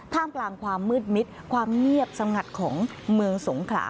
กลางความมืดมิดความเงียบสงัดของเมืองสงขลา